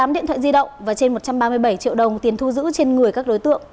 tám điện thoại di động và trên một trăm ba mươi bảy triệu đồng tiền thu giữ trên người các đối tượng